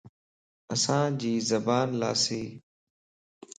اسان جي زبان لاسيَ